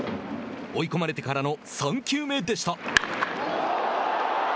追い込まれてからの３球目でした。